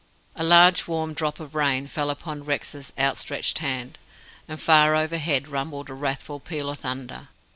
A large, warm drop of rain fell upon Rex's outstretched hand, and far overhead rumbled a wrathful peal of thunder.